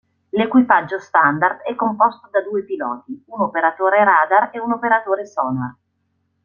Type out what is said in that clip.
L'equipaggio standard è composto da due piloti, un operatore radar e un operatore sonar.